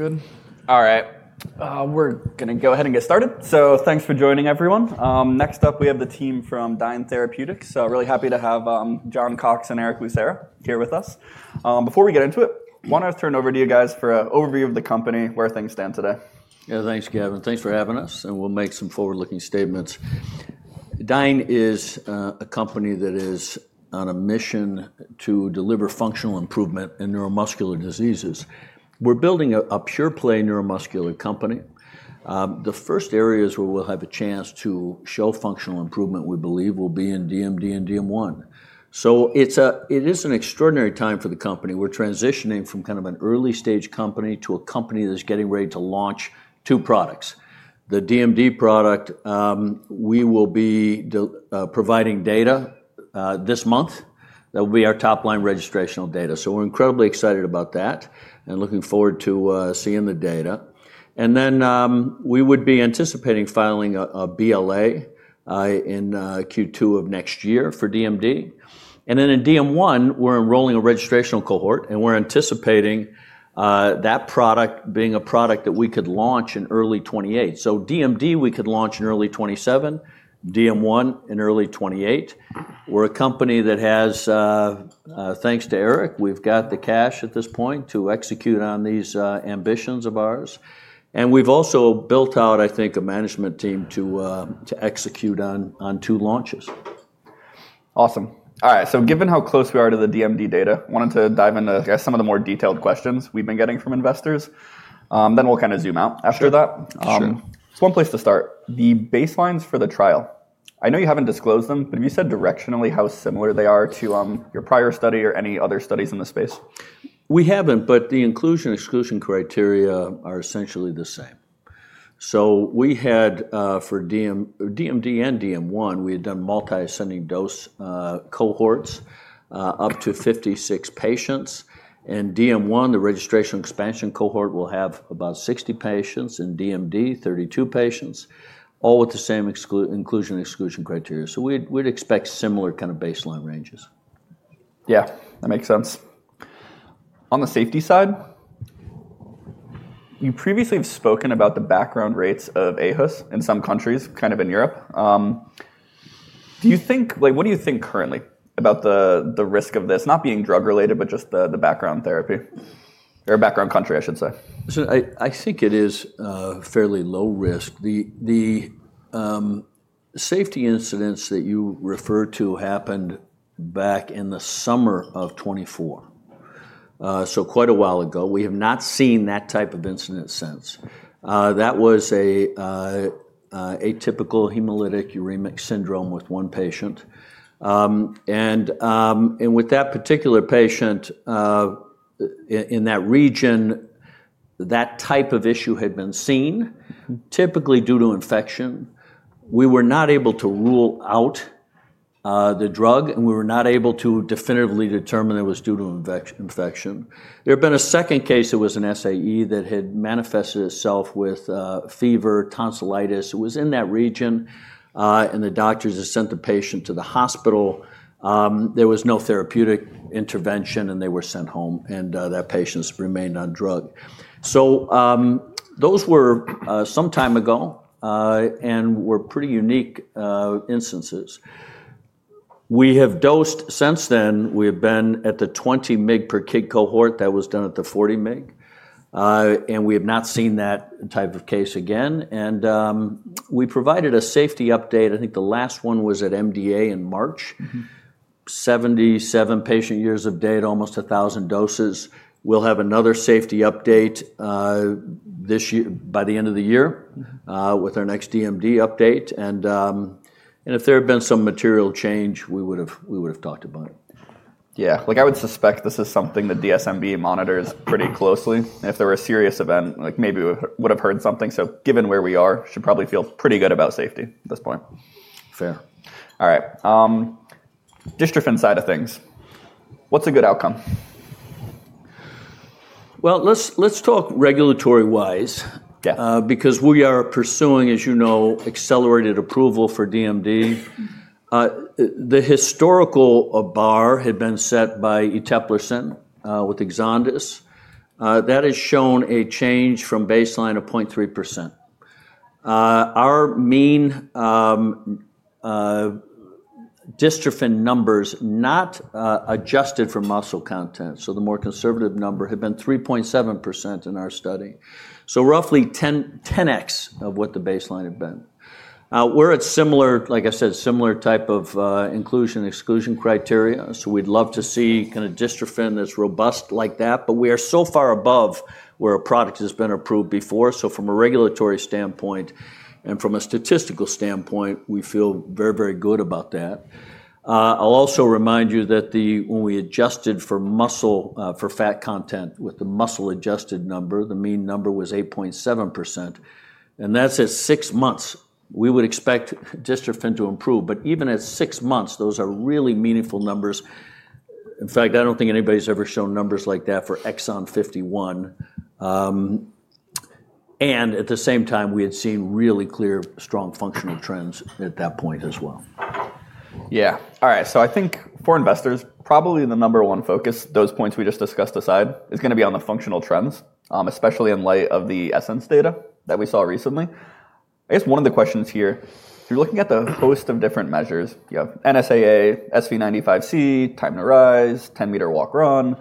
All right. We're going to go ahead and get started. Thanks for joining, everyone. Next up, we have the team from Dyne Therapeutics. Really happy to have John Cox and Erick Lucera here with us. Before we get into it, why don't I turn it over to you guys for an overview of the company, where things stand today? Yeah, thanks, Gavin. Thanks for having us. We'll make some forward-looking statements. Dyne is a company that is on a mission to deliver functional improvement in neuromuscular diseases. We're building a pure-play neuromuscular company. The first areas where we'll have a chance to show functional improvement, we believe, will be in DMD and DM1. It is an extraordinary time for the company. We're transitioning from kind of an early-stage company to a company that's getting ready to launch two products. The DMD product, we will be providing data this month. That will be our top-line registrational data. We're incredibly excited about that and looking forward to seeing the data. We would be anticipating filing a BLA in Q2 of next year for DMD. In DM1, we're enrolling a registrational cohort. We're anticipating that product being a product that we could launch in early 2028. DMD, we could launch in early 2027. DM1, in early 2028. We're a company that has, thanks to Erick, we've got the cash at this point to execute on these ambitions of ours. We've also built out, I think, a management team to execute on two launches. Awesome. All right. Given how close we are to the DMD data, I wanted to dive into some of the more detailed questions we've been getting from investors. We will kind of zoom out after that. Sure. One place to start, the baselines for the trial. I know you haven't disclosed them, but have you said directionally how similar they are to your prior study or any other studies in the space? We haven't, but the inclusion-exclusion criteria are essentially the same. We had, for DMD and DM1, done multi-ascending dose cohorts up to 56 patients. In DM1, the registration expansion cohort will have about 60 patients. In DMD, 32 patients, all with the same inclusion-exclusion criteria. We would expect similar kind of baseline ranges. Yeah, that makes sense. On the safety side, you previously have spoken about the background rates of aHUS in some countries, kind of in Europe. Do you think, what do you think currently about the risk of this not being drug-related, but just the background therapy or background country, I should say? I think it is fairly low risk. The safety incidents that you referred to happened back in the summer of 2024, so quite a while ago. We have not seen that type of incident since. That was an atypical hemolytic uremic syndrome with one patient. With that particular patient in that region, that type of issue had been seen, typically due to infection. We were not able to rule out the drug, and we were not able to definitively determine it was due to infection. There had been a second case that was an SAE that had manifested itself with fever, tonsillitis. It was in that region. The doctors had sent the patient to the hospital. There was no therapeutic intervention, and they were sent home. That patient remained on drug. Those were some time ago and were pretty unique instances. We have dosed since then. We have been at the 20 mg per kid cohort. That was done at the 40 mg. We have not seen that type of case again. We provided a safety update. I think the last one was at MDA in March. Seventy-seven patient years of data, almost 1,000 doses. We'll have another safety update by the end of the year with our next DMD update. If there had been some material change, we would have talked about it. Yeah. I would suspect this is something that DSMB monitors pretty closely. If there were a serious event, maybe we would have heard something. Given where we are, we should probably feel pretty good about safety at this point. Fair. All right. Dystrophin side of things, what's a good outcome? Let's talk regulatory-wise, because we are pursuing, as you know, accelerated approval for DMD. The historical bar had been set by Eteplirsen with Exondys. That has shown a change from baseline of 0.3%. Our mean dystrophin numbers not adjusted for muscle content, so the more conservative number had been 3.7% in our study, so roughly 10x of what the baseline had been. We're at similar, like I said, similar type of inclusion-exclusion criteria. We'd love to see kind of dystrophin that's robust like that. We are so far above where a product has been approved before. From a regulatory standpoint and from a statistical standpoint, we feel very, very good about that. I'll also remind you that when we adjusted for fat content with the muscle-adjusted number, the mean number was 8.7%. That's at six months. We would expect dystrophin to improve. Even at six months, those are really meaningful numbers. In fact, I don't think anybody's ever shown numbers like that for Exon 51. At the same time, we had seen really clear, strong functional trends at that point as well. Yeah. All right. I think for investors, probably the number one focus, those points we just discussed aside, is going to be on the functional trends, especially in light of the ESSENCE data that we saw recently. I guess one of the questions here, if you're looking at the host of different measures, you have NSAA, SV95C, time to rise, 10-meter walk-run.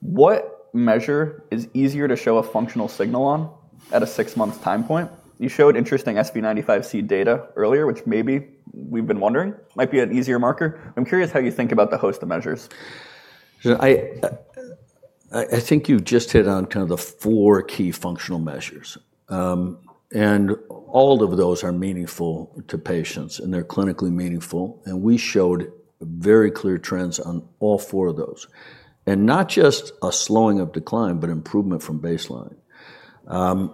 What measure is easier to show a functional signal on at a six-month time point? You showed interesting SV95C data earlier, which maybe we've been wondering might be an easier marker. I'm curious how you think about the host of measures. I think you've just hit on kind of the four key functional measures. All of those are meaningful to patients, and they're clinically meaningful. We showed very clear trends on all four of those, and not just a slowing of decline, but improvement from baseline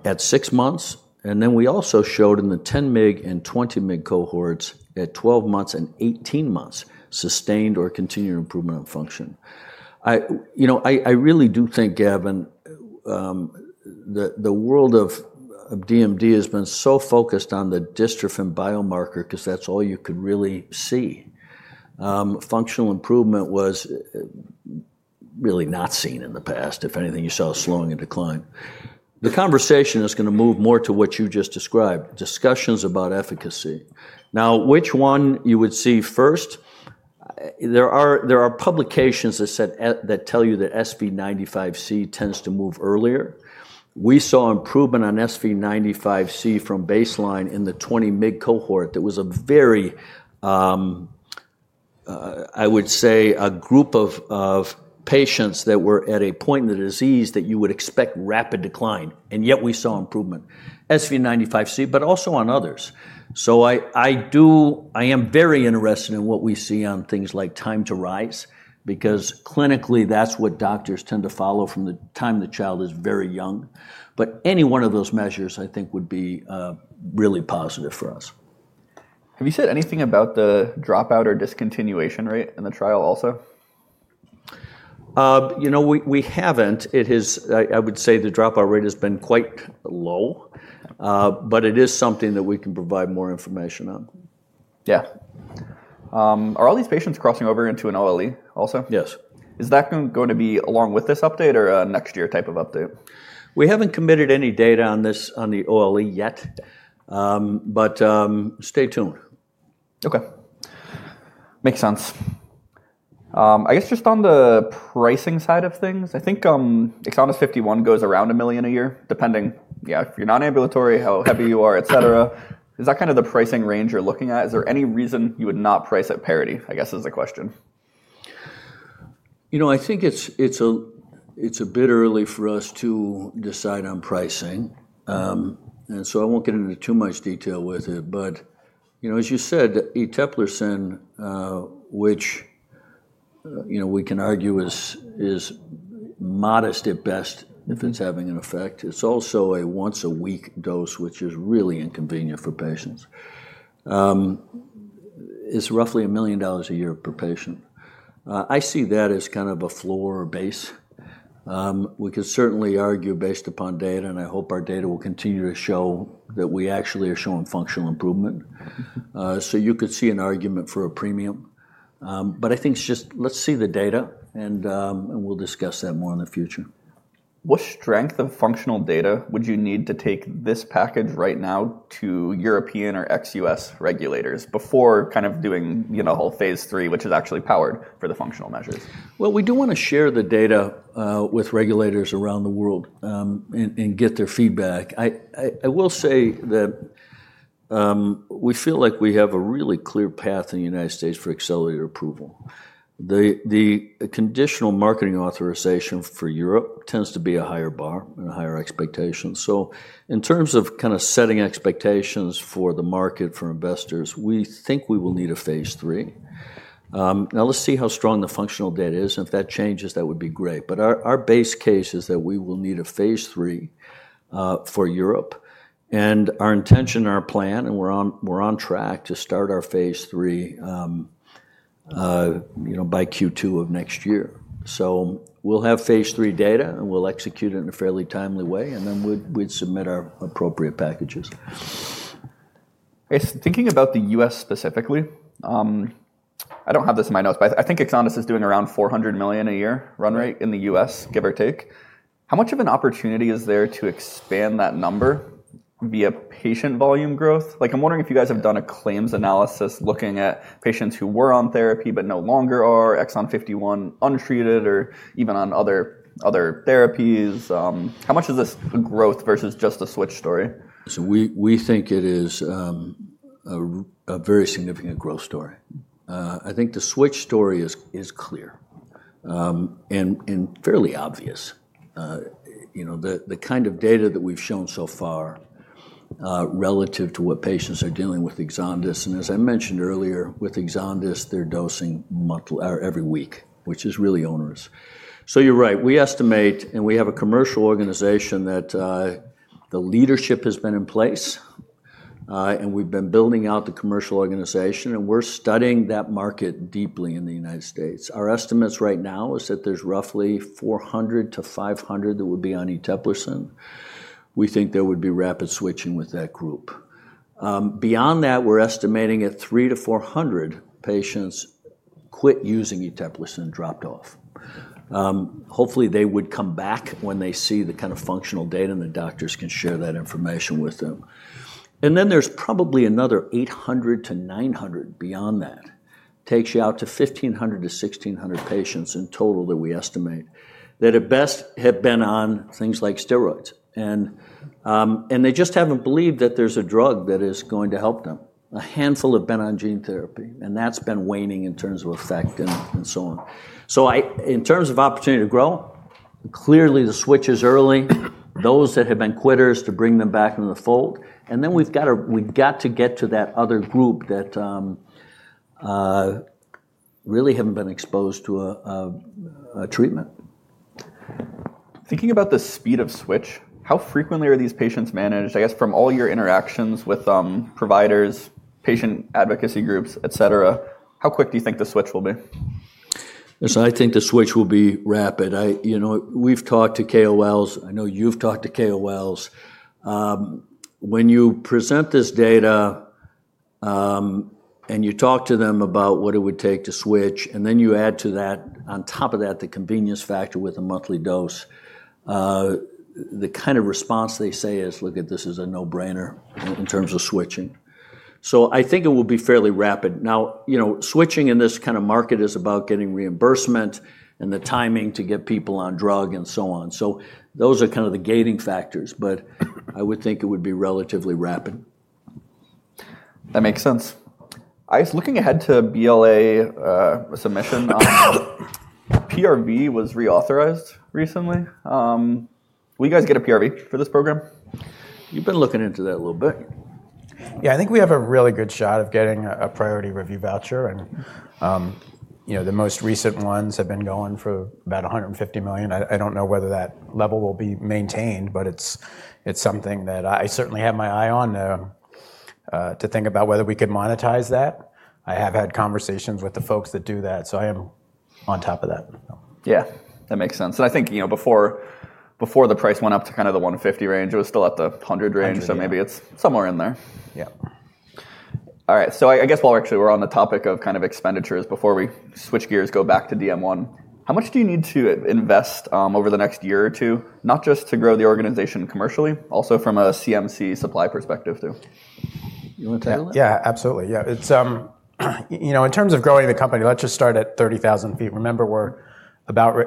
at six months. We also showed in the 10-mg and 20-mg cohorts at 12 months and 18 months sustained or continued improvement on function. I really do think, Gavin, the world of DMD has been so focused on the dystrophin biomarker because that's all you could really see. Functional improvement was really not seen in the past. If anything, you saw a slowing in decline. The conversation is going to move more to what you just described, discussions about efficacy. Now, which one you would see first? There are publications that tell you that SV95C tends to move earlier. We saw improvement on SV95C from baseline in the 20 mg cohort. That was a very, I would say, a group of patients that were at a point in the disease that you would expect rapid decline. Yet we saw improvement, SV95C, but also on others. I am very interested in what we see on things like time to rise, because clinically, that's what doctors tend to follow from the time the child is very young. Any one of those measures, I think, would be really positive for us. Have you said anything about the dropout or discontinuation rate in the trial also? You know, we haven't. I would say the dropout rate has been quite low, but it is something that we can provide more information on. Yeah. Are all these patients crossing over into an OLE also? Yes. Is that going to be along with this update or a next-year type of update? We haven't committed any data on the OLE yet, but stay tuned. Okay. Makes sense. I guess just on the pricing side of things, I think Exon 51 goes around $1 million a year, depending, yeah, if you're non-ambulatory, how heavy you are, etc. Is that kind of the pricing range you're looking at? Is there any reason you would not price at parity, I guess, is the question? You know, I think it's a bit early for us to decide on pricing. I won't get into too much detail with it. As you said, Eteplirsen, which we can argue is modest at best if it's having an effect, is also a once-a-week dose, which is really inconvenient for patients. It's roughly $1 million a year per patient. I see that as kind of a floor or base. We could certainly argue based upon data, and I hope our data will continue to show that we actually are showing functional improvement. You could see an argument for a premium. I think it's just let's see the data, and we'll discuss that more in the future. What strength of functional data would you need to take this package right now to European or ex-U.S. regulators before kind of doing a whole phase 3, which is actually powered for the functional measures? We do want to share the data with regulators around the world and get their feedback. I will say that we feel like we have a really clear path in the United States for accelerated approval. The conditional marketing authorization for Europe tends to be a higher bar and a higher expectation. In terms of kind of setting expectations for the market for investors, we think we will need a phase three. Now, let's see how strong the functional data is. If that changes, that would be great. Our base case is that we will need a phase three for Europe. Our intention and our plan, and we're on track to start our phase three by Q2 of next year. We will have phase three data, and we will execute it in a fairly timely way. We would submit our appropriate packages. Thinking about the U.S. specifically, I don't have this in my notes, but I think Exondys is doing around $400 million a year run rate in the U.S., give or take. How much of an opportunity is there to expand that number via patient volume growth? I'm wondering if you guys have done a claims analysis looking at patients who were on therapy but no longer are, Exon 51, untreated, or even on other therapies. How much is this growth versus just a switch story? We think it is a very significant growth story. I think the switch story is clear and fairly obvious. The kind of data that we've shown so far relative to what patients are dealing with Exondys. As I mentioned earlier, with Exondys, they're dosing every week, which is really onerous. You're right. We estimate, and we have a commercial organization that the leadership has been in place. We've been building out the commercial organization. We're studying that market deeply in the United States. Our estimates right now are that there's roughly 400-500 that would be on Eteplirsen. We think there would be rapid switching with that group. Beyond that, we're estimating that 300-400 patients quit using Eteplirsen and dropped off. Hopefully, they would come back when they see the kind of functional data, and the doctors can share that information with them. There is probably another 800-900 beyond that. It takes you out to 1,500-1,600 patients in total that we estimate that at best have been on things like steroids. They just have not believed that there is a drug that is going to help them. A handful have been on gene therapy, and that has been waning in terms of effect and so on. In terms of opportunity to grow, clearly the switch is early. Those that have been quitters to bring them back into the fold. We have to get to that other group that really have not been exposed to a treatment. Thinking about the speed of switch, how frequently are these patients managed? I guess from all your interactions with providers, patient advocacy groups, etc., how quick do you think the switch will be? I think the switch will be rapid. We've talked to KOLs. I know you've talked to KOLs. When you present this data and you talk to them about what it would take to switch, and then you add to that, on top of that, the convenience factor with a monthly dose, the kind of response they say is, "Look at this. This is a no-brainer in terms of switching." I think it will be fairly rapid. Now, switching in this kind of market is about getting reimbursement and the timing to get people on drug and so on. Those are kind of the gating factors. I would think it would be relatively rapid. That makes sense. I was looking ahead to BLA submission. PRV was reauthorized recently. Will you guys get a PRV for this program? You've been looking into that a little bit. Yeah. I think we have a really good shot of getting a priority review voucher. And the most recent ones have been going for about $150 million. I do not know whether that level will be maintained, but it is something that I certainly have my eye on to think about whether we could monetize that. I have had conversations with the folks that do that. I am on top of that. Yeah. That makes sense. I think before the price went up to kind of the $150 million range, it was still at the $100 million range. Maybe it is somewhere in there. Yeah. All right. I guess while we're actually on the topic of kind of expenditures, before we switch gears, go back to DM1, how much do you need to invest over the next year or two, not just to grow the organization commercially, also from a CMC supply perspective too? You want to tackle that? Yeah, absolutely. Yeah. In terms of growing the company, let's just start at 30,000 feet. Remember,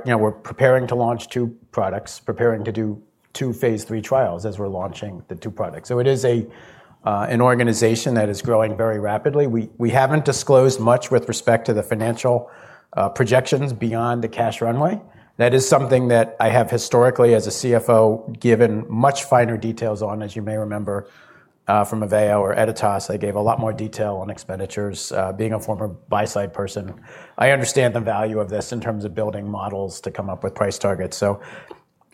we're preparing to launch two products, preparing to do two phase three trials as we're launching the two products. It is an organization that is growing very rapidly. We haven't disclosed much with respect to the financial projections beyond the cash runway. That is something that I have historically, as a CFO, given much finer details on. As you may remember, from AVEO or Editas, I gave a lot more detail on expenditures. Being a former buy-side person, I understand the value of this in terms of building models to come up with price targets.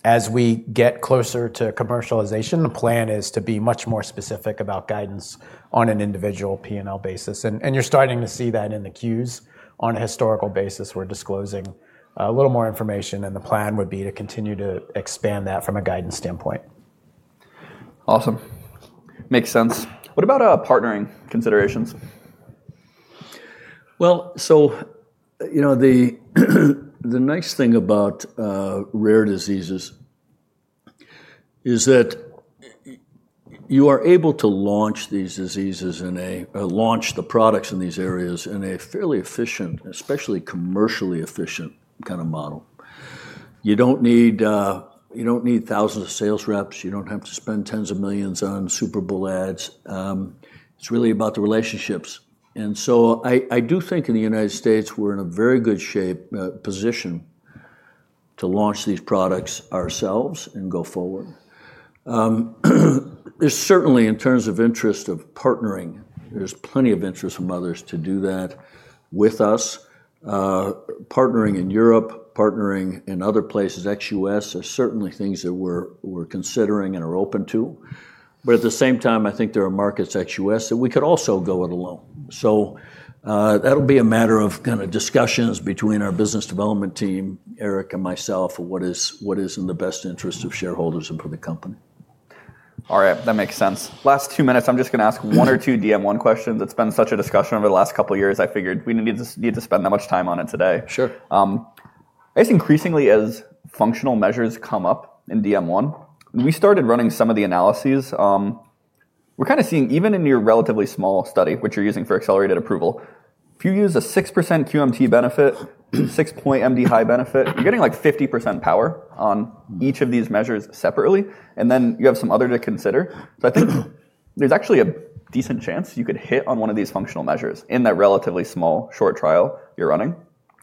As we get closer to commercialization, the plan is to be much more specific about guidance on an individual P&L basis. You're starting to see that in the queues. On a historical basis, we're disclosing a little more information. The plan would be to continue to expand that from a guidance standpoint. Awesome. Makes sense. What about partnering considerations? The nice thing about rare diseases is that you are able to launch these diseases and launch the products in these areas in a fairly efficient, especially commercially efficient kind of model. You do not need thousands of sales reps. You do not have to spend tens of millions on Super Bowl ads. It is really about the relationships. I do think in the United States, we are in a very good position to launch these products ourselves and go forward. There is certainly, in terms of interest of partnering, plenty of interest from others to do that with us. Partnering in Europe, partnering in other places, ex-U.S., are certainly things that we are considering and are open to. At the same time, I think there are markets ex-U.S. that we could also go it alone. That'll be a matter of kind of discussions between our business development team, Erick, and myself of what is in the best interest of shareholders and for the company. All right. That makes sense. Last two minutes. I'm just going to ask one or two DM1 questions. It's been such a discussion over the last couple of years. I figured we didn't need to spend that much time on it today. Sure. I guess increasingly, as functional measures come up in DM1, we started running some of the analyses. We're kind of seeing, even in your relatively small study, which you're using for accelerated approval, if you use a 6% QMT benefit, 6 point MDI benefit, you're getting like 50% power on each of these measures separately. You have some other to consider. I think there's actually a decent chance you could hit on one of these functional measures in that relatively small short trial you're running.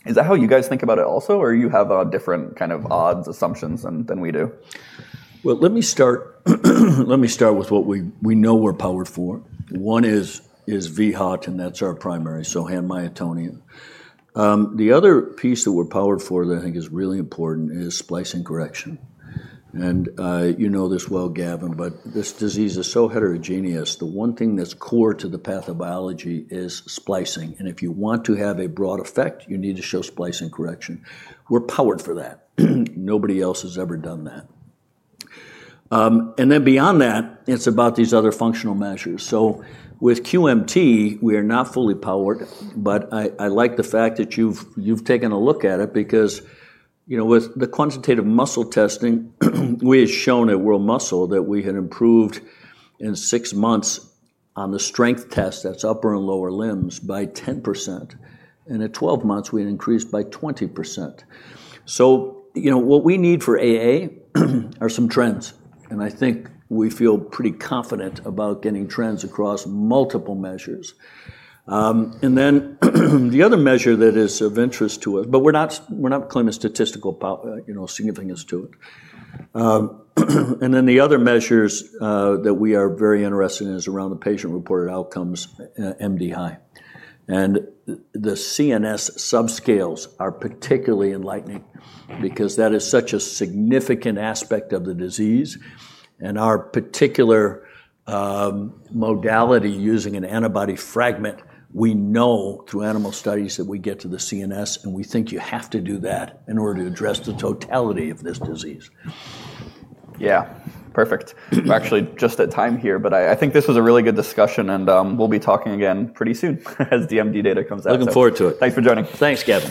Is that how you guys think about it also, or you have different kind of odds, assumptions than we do? Let me start with what we know we are powered for. One is vHOT, and that is our primary, so hand myotonia. The other piece that we are powered for that I think is really important is splicing correction. You know this well, Gavin, but this disease is so heterogeneous. The one thing that is core to the pathobiology is splicing. If you want to have a broad effect, you need to show splicing correction. We are powered for that. Nobody else has ever done that. Beyond that, it is about these other functional measures. With QMT, we are not fully powered. I like the fact that you have taken a look at it because with the quantitative muscle testing, we had shown at World Muscle that we had improved in six months on the strength test. That is upper and lower limbs by 10%. At 12 months, we had increased by 20%. What we need for AA are some trends. I think we feel pretty confident about getting trends across multiple measures. The other measure that is of interest to us, but we're not claiming statistical significance to it. The other measures that we are very interested in is around the patient-reported outcomes, MDI. The CNS subscales are particularly enlightening because that is such a significant aspect of the disease. Our particular modality using an antibody fragment, we know through animal studies that we get to the CNS. We think you have to do that in order to address the totality of this disease. Yeah. Perfect. We're actually just at time here, but I think this was a really good discussion. We'll be talking again pretty soon as DMD data comes out. Looking forward to it. Thanks for joining. Thanks, Gavin.